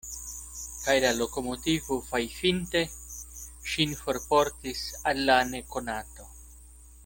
Kaj la lokomotivo fajfinte ŝin forportis al la nekonato.